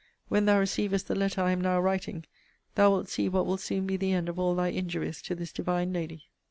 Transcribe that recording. When thou receivest the letter I am now writing, thou wilt see what will soon be the end of all thy injuries to this divine lady.